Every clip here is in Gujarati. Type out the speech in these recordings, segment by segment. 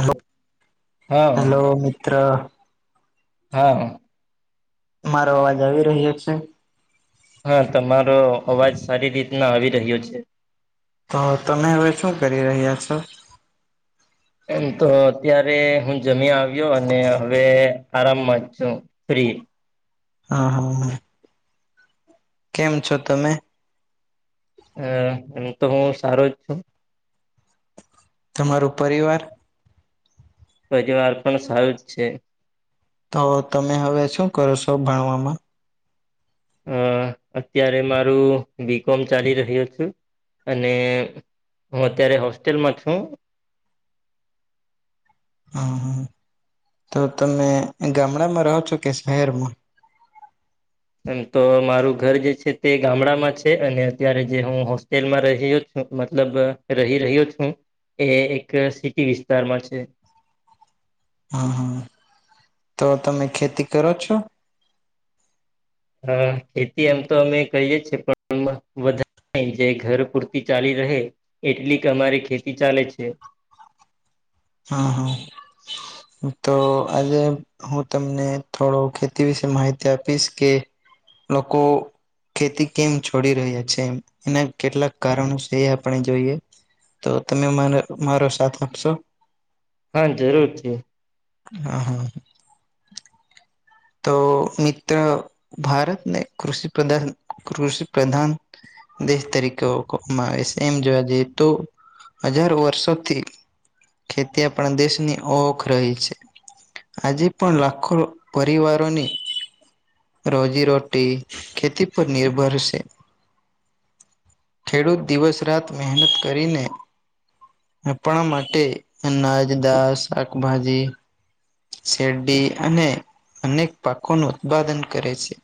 હલો હા હેલો મિત્ર હા મારો અવાજ આવી રહ્યો છે હા તમારો અવાજ સારી રીતના આવી રહ્યો છે. તો તમે હવે શું કરી રહ્યા છો એમ તો અત્યારે હું જમી આવ્યો અને હવે આરામમાં જ છું. ફ્રી હા હા હા કેમ છો તમે હું તો હું સારું જ છું. તમારો પરિવાર પરિવાર પણ સારું જ છે. તો તમે હવે શું કરો છો ભણવામાં અ અત્યારે મારું બીકોમ ચાલી રહ્યો છું અને હું અત્યારે હોસ્ટેલમાં છું. હમ્મ તો તમે ગામડામાં રહો છો કે શહેરમાં એમ તો મારું ઘર જે છે તે ગામડામાં છે અને અત્યારે જે હું હોસ્ટેલમાં રહ્યો મતલબ રહી રહ્યો છું એ એક સિટી વિસ્તારમાં છે. હમ્મ તો તમે ખેતી કરો છો? હા ખેતી એમ તો અમે કરીએ છીએ પણ વધારે એ જે ઘર પૂરતી ચાલી રહે એટલીક અમારી ખેતી ચાલે છે. હહ હહ તો આજે [unintelligible] હું તમને થોડો ખેતી વિશે માહિતી આપીશ કે લોકો ખેતી કેમ છોડી રહ્યા છે એમ એના કેટલાક કારણો સે એ આપણે જોઈએ. તો તમે માનો મારો સાથ આપશો? હા જરૂરથી. હા હા તો મિત્ર ભારતને કૃષિ પ્રદાન કૃષિ પ્રધાન દેશ તરીકે ઓકવામાં આવે છે એમ જોવા જઈએ તો હજાર વર્ષોથી [unintelligible] ખેતી આપણા દેશની ઓખ રહી છે. આજે પણ લાખો પરિવારોની રોજી રોટી ખેતી પર નિર્ભર સે. ખેડૂત દિવસ રાત મહેનત કરીને આપણા માટે અનાજ, દાળ, શાકભાજી શેરડી અને અનેક પાકોનું ઉત્પાદન કરે છે.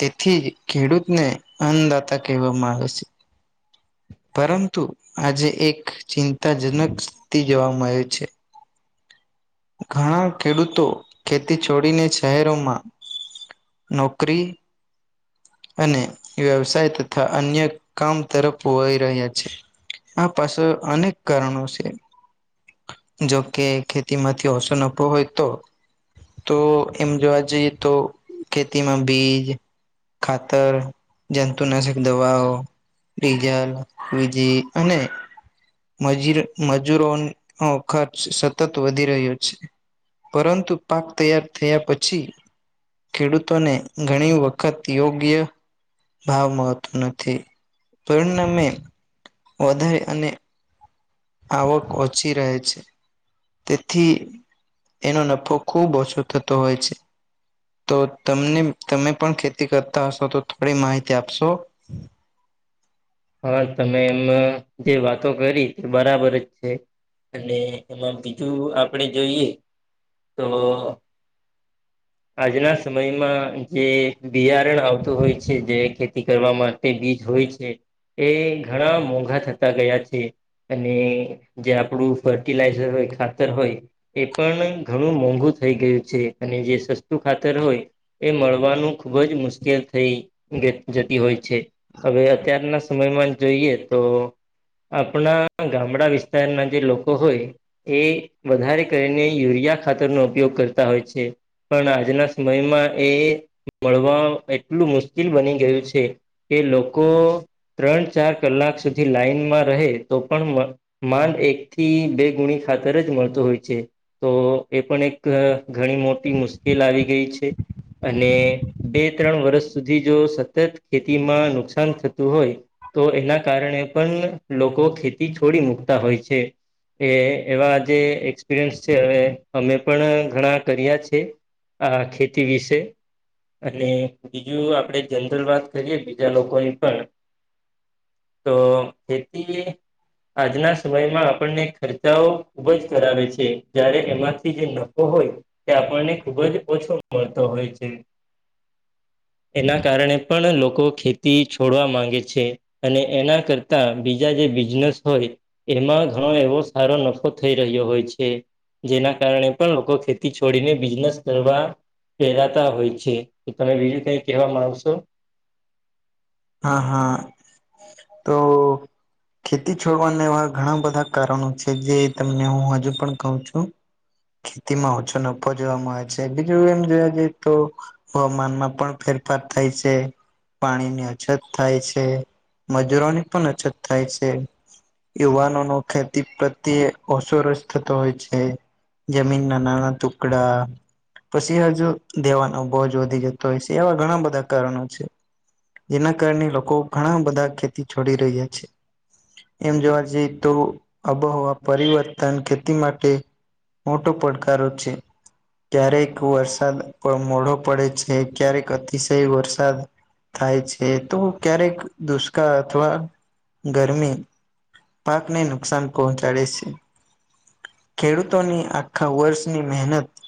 તેથી ખેડૂતને અન્નદાતા કહેવામાં આવે છે. પરંતુ આજે એક ચિંતાજનક સ્થિતિ જોવા મળે છે. ઘણા ખેડૂતો ખેતી છોડીને શહેરોમાં. નોકરી. અને વ્યવસાય તથા અન્ય કામ તરફ વહી રહ્યા છે. આ પાસ અનેક કારણો છે જો કે ખેતીમાં. થી ઓસો નફો હોય તો. તો એમ જોવા જઈએ તો ખેતીમાં બીજ. ખાતર, જંતુનાશક દવાઓ. ડીઝલ, વીજી અને મજીર મજૂરોનો ખર્ચ સતત વધી રહ્યો. છે. પરંતુ પાક તૈયાર થયા પછી. ખેડૂતોને ઘણી વખત યોગ્ય. ભાવ મળતો નથી પરિણમે. વધારે અને. આવક ઓછી રહે છે. તેથી એનો નફો ખુબ ઓછો થતો હોય છે. તો તમને તમે પણ ખેતી કરતા હશો તો થોડી માહિતી આપશો? હા તમે એમ જે વાતો કરી તે બરાબર જ છે. અને એમાં બીજું આપણે જોઈએ તો [inaudible] આજના સમયમાં જે બિયારણ આવતું હોય છે, જે ખેતી કરવામાં બીજ હોય છે, એ ઘણા મોઘા થતા ગયા છે, અને જે આપણું ફર્ટિલાઈઝર હોય ખાતર હોય. એ પન ઘણું મોંઘુ થઈ ગયું છે અને જે સસ્તું ખાતર હોય. એ મળવાનું ખુબ જ મુશ્કેલ થઈ જ જતી હોય છે. હવે અત્યારના સમયમાં જોઈએ તો આપણા ગામડા વિસ્તારના જે લોકો હોય. એ વધારે કરીને યુરિયા ખાતરનો ઉપયોગ કરતા હોય છે. પણ આજના સમયમાં એ મળવા એટલું મુશ્કેલ બની ગયું છે. એ લોકો ત્રણ ચાર કલાક સુધી લાઈનમાં રહે તો પણ. માંડ એક થી બે ગુણી ખાતર જ મળતું હોય છે. તો એ પણ એક ઘણી મોટી મુશ્કેલ આવી ગઈ છે. અને બે ત્રણ વર્ષ સુધી જો સતત ખેતીમાં નુકસાન થતું હોય. તો એના કારણે પન લોકો ખેતી છોડી મુકતા હોય છે. એ એવા જે એક્સપિરયન્સ છે, હવે અમે પણ ઘણા કર્યા છે, આ ખેતી વિશે. અને બીજું આપડે જનરલ વાત કરીએ બીજા લોકોની પણ, તો ખેતી આજના સમયમાં આપણને ખર્ચાઓ. ઉપજ કરાવે છે, જય્યારે એમાંથી જે નફો હોય. તે આપણને ખુબ જ ઓછો મળતો હોય છે, એના કારણે પણ લોકો ખેતી છોડવા માંગે છે. જેએના કરતા બીજા જે બિઝનેસ હોય, એમાં ઘણો એવો સારો નફો થઈ રહ્યો હોય છે, જેના કારણે પણ લોકો ખેતી છોડીને બિઝનેસ કરવા. પહેરાતા હોય છે, તો તમે બીજું કઈ કહે માં આવશો. આ હા તો.. ખેતી છોડવાના એવા ઘણા બધા કારણો છે, જે તમને હું હજુ પણ કહું છું ખેતીમાં ઓછો નફો જોવા મળ આવે છે બીજું એમ જોયા જઈએ તો હવામાનમાં પણ ફેરફાર થાય છે પાણીની. અછત થાય છે, મજૂરોની પણ અછત થાય છે, યુવાનો ન ખેતી પ્રત્યે ઓસો રસ થતો હોય છે, જમીન ના નાના ટુકડા. પછી હજુ દેવાનો બોજ વધી જતો હોય છે, એવા ઘણા બધા કારણો છે, જેના કારણે લોકો ઘણા બધા ખેતી છોડી રહ્યા છે, એમ જોવા જઈએ તો આબોહવા પરિવર્તન ખેતી માટે [unintelligible] મોટો પડકારો છે, [unintelligible] ક્યારેક વરસાદ મોઢો પડે છે, ક્યારેક અતિશય વરસાદ થાય છે, તો ક્યારેક દુષ્કાળ અથવા ગરમી પાકને નુકસાન પહોંચાડે છે, ખેડૂતોની આખા વર્ષની મહેનત,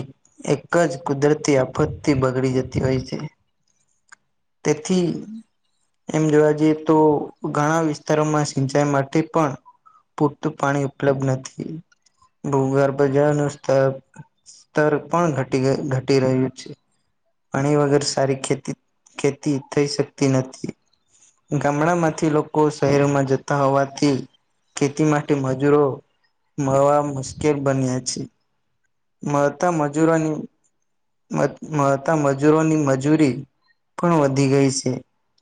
એક એક જ કુદરતી આફતથી બગડી જતી હોય છે, તેથી એમ જોવા જઈએ તો ઘણા વિસ્તારોમાં સિંચાઈ માટે પણ, પૂરતું પાણી ઉપલબ્ધ નથી ભૂગરબજાર ન સ્તર સ્તર પણ ઘટી ઘટી રહ્યું છે, પાણી વગર સારી ખેતી ખેતી થઈ શકતી નથી ગામડા માંથી લોકો શહેરોમાં જતા હોવાથી ખેતી માટે મજૂરો મળવા મુશ્કેલ બન્યા છે, મળતા મજૂરોની મળતા મજૂરોની મજૂરી પણ વધી ગઈ છે,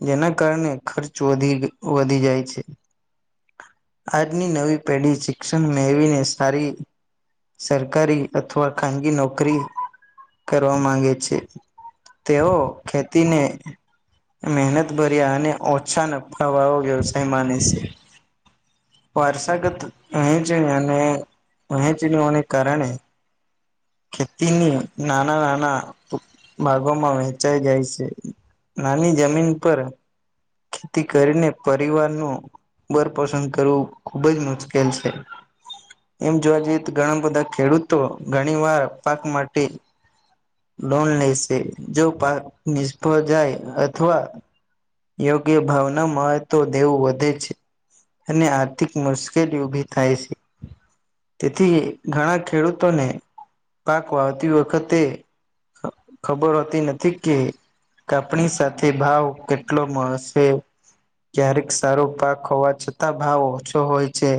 જેના કારણે ખર્ચ વધી-વધી જાય છે. આજની નવી પેઢી શિક્ષણ મેળવીને સારી સરકારી અથવા ખાનગી નોકરી કરવા માંગે છે, તેઓ ખેતીને મહેનત ભર્યા અને ઓછા ન હ વાવ વ્યવસાય માની છે, વારસાગત એ છે, અને [unintelligible] વહેંચણીઓને કારણે ખેતીની [unintelligible] નાના નાના ભાગોમાં વહેંચાઈ જાય છે, નાની જમીન પર, ખેતી કરીને પરિવાર ન બરપસંદ કરવું ખુબ જ, મુશ્કેલ છે, એમ જોવા જઈએ તો ઘણા બધા ખેડૂતો ઘણી વાર પાક માટે લોન લેશે જો પાક નિષ્ફળ જાય અથવા યોગ્ય ભાવ ન મળ તો દેવું વધે છે. અને આર્થિક મુશ્કેલી ઊભી થાય છે. તેથી ઘણા ખેડૂતોને પાક વાવતી વખતે ખબર હોતી નથી કે કાપણી સાથે ભાવ કે એટલો [unintelligible] ક્યારેક સારો પાક હોવા છતાં ભાવ ઓછો હોય છે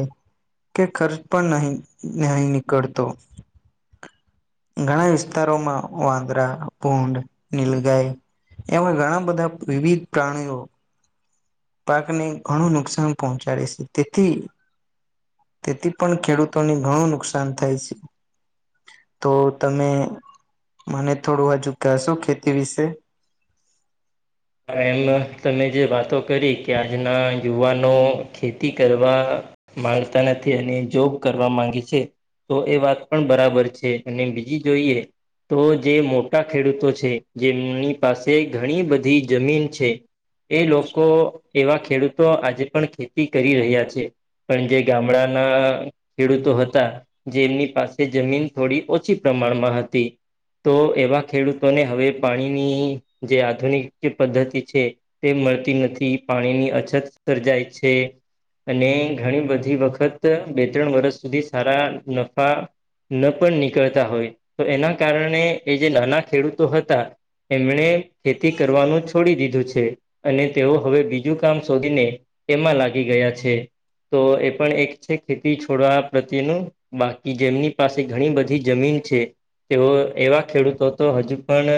કે ખર્ચ પણ નહી નહી નીકળતો ઘણા વિસ્તારોમાં વાંદરા, ભુંડ, નીલગાય એમાં ઘણા બધા વિવિધ પ્રાણીઓ પાકને ઘણું નુકસાન પહોંચાડે છે તેથી તેથી પણ ખેડૂતોને ઘણું નુકસાન થાય છે. તો તમે મને થોડું હજુ કહેશો ખેતી વિશે એમ તમે જે વાતો કરી કે આજના યુવાનો ખેતી કરવા માંગતા નથી, અને જોબ કરવા માંગે છે તો એ વાત પણ બરાબર છે. અને બીજી જોઈએ તો જે મોટા ખેડૂતો છે, જેમની પાસે ઘણી બધી જમીન છે એ લોકો એવા ખેડૂતો આજે પણ ખેતી કરી રહ્યા છે. પણ જે ગામડાના ખેડૂતો હતા જેમની પાસે જમીન થોડી ઓછી પ્રમાણમાં હતી તો એવા ખેડૂતોને હવે પાણીની જે આધુનિક જે પદ્ધતિ છે તે મળતી નથી, પાણીની અછત સર્જાય છે અને ઘણી બધી વખત બે-ત્રણ વર્ષ સુધી સારા નફા ન પણ નીકળતા હોય, તો એના કારણે એ જે નાના ખેડૂતો હતા એમણે ખેતી કરવાનું છોડી દીધું છે. અને તેઓ હવે બીજું કામ શોધીને એમાં લાગી ગયા છે. તો એ પણ એક છે ખેતી છોડવા પ્રત્યેનું બાકી જેમની પાસે ઘણી બધી જમીન છે તેઓ એવા ખેડૂતો તો હજુ પણ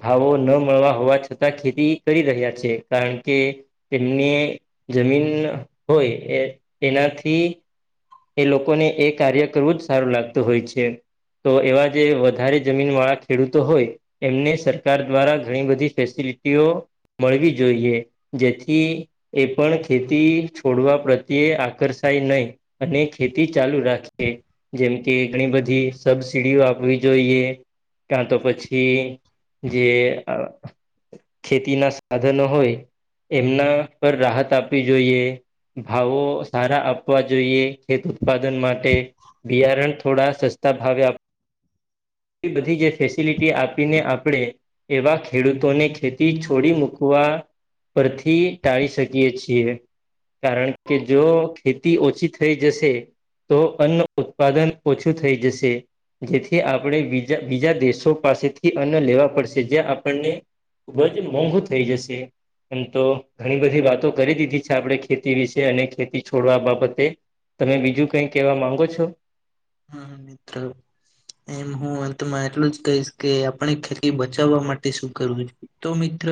ભાવો ન મળવા હોય છતાં ખેતી કરી રહ્યા છે, કારણ કે એમને જમીન હોય એ તેનાથી એ લોકોને એ કાર્ય કરવું જ સારું લાગતું હોય છે. તો એવા જે વધારે જમીન વાળા ખેડૂતો હોય એમને સરકાર દ્વારા ઘણી બધી ફેસિલિટીઓ મળવી જોઈએ, જેથી એ પણ ખેતી છોડવા પ્રત્યે આકર્ષાય નહીં. અને ખેતી ચાલુ રાખી જેમ કે ઘણી બધી સબસીિડીઓ આપવી જોઈએ ક્યાં તો પછી જે ખેતી ના સાધનો હોય એમના પર રાહત આપવી જોઈએ. ભાવો સારા આપવા જોઈએ, ખેત ઉત્પાદન માટે બિયારણ થોડા સસ્તા ભાવે આપ એ બધી જે ફેસિલિટી આપીને આપણે એવા ખેડૂતોને ખેતી છોડી મૂકવા પરથી ટાળી શકીએ છીએ, કારણ કે જો ખેતી ઓછ ઓછી થઈ જશે, તો અન્ન ઉત્પાદન ઓછું થઈ જશે. જેથી આપણે બીજા બીજા દેશો પાસેથી અન્ન લેવા પડશે, જે આપણને ખૂબ જ મોંઘુ થઇ જશે. એમ તો ઘણી બધી વાતો કરી દીધી છે આપણે ખેતી વિશે, અને ખેતી છોડવા બાબત તે તમે બીજું કંઈ કહેવા માંગો છો? હમ્મ-હમ્મ મિત્ર. એમ હું અંતમાં એટલું જ કહીશ કે આપણે ખેતી બચાવવા માટે શું કરવું જોઈ? તો મિત્ર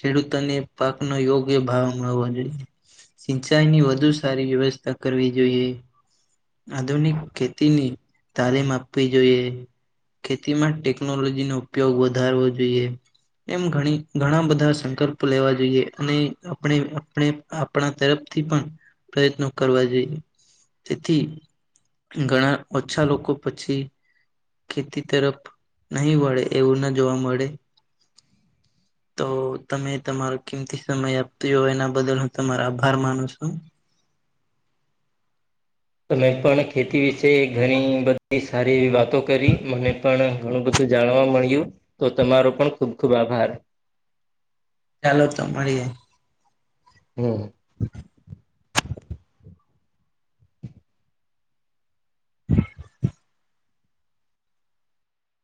ખેડૂતોને પાકનો યોગ્ય ભાવ મળવો જોઈએ. સિંચાઈની વધુ સારી વ્યવસ્થા કરવી જોઈએ આધુનિક ખેત તીની તાલીમ આપવી જોઈએ ખેતી માં ટેકનોલોજી નો ઉપયોગ વધારવો જોઈએ એમ ઘણી ઘણા બધા સંકલ્પો લેવા જોઈએ અને આપણે આપણે આપણા તરફથી પણ પ્રયત્નો કરવા જોઈએ તેથી ઘણા ઓછા લોકો પછી ખેતી તરફ નહી વળે એવું ના જોવા મળે તો તમે તમારો કેમથી સમય આપતી હોય એના બદલ હું તમારો આભાર માનું છું મેં પણ ખેતી વિશયી ઘણી બધી સારી એવી વાતો કરી મને પણ ઘણું બધું જાણવા મળ્યું તો તમારો પણ ખુબ ખુબ આભાર ચાલો તો મળયે હમ [inaudible] હ [inaudible]